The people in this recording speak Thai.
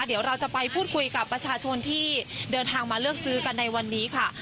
เดี๋ยวเราจะไปพูดคุยกับประชาชนที่เดินทางมาเลือกซื้อกันในวันนี้ค่ะ